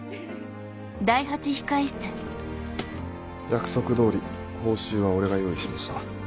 約束通り報酬は俺が用意しました。